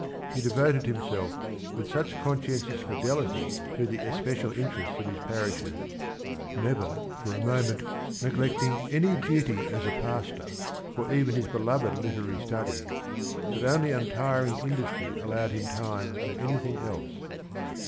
He devoted himself with such conscientious fidelity to the especial interests of his parishes, never for a moment neglecting any duty as a pastor for even his beloved literary studies, that only untiring industry allowed him time for anything else.